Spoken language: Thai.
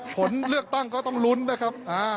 ผลเลือกตั้งก็ต้องลุ้นนะครับ